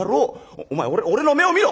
お前俺の目を見ろ！